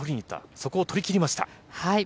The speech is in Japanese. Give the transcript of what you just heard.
そこを取り切りました。